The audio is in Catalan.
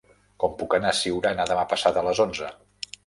Com puc anar a Siurana demà passat a les onze?